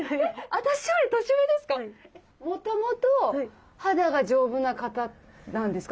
私より年上ですか？